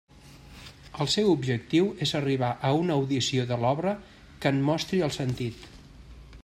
El seu objectiu és arribar a una audició de l'obra que en mostri el sentit.